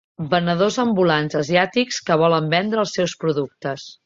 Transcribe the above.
venedors ambulants asiàtics que volen vendre els seus productes.